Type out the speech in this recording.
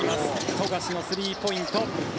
富樫のスリーポイント。